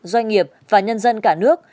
doanh nghiệp và nhân dân cả nước